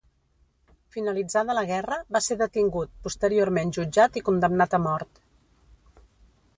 Finalitzada la guerra va ser detingut, posteriorment jutjat i condemnat a mort.